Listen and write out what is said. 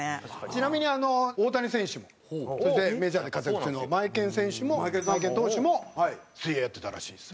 ちなみに大谷選手もそしてメジャーで活躍中のマエケン選手もマエケン投手も水泳やってたらしいです。